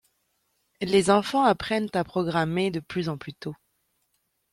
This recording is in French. Les enfants apprennent à programmer de plus en plus tôt.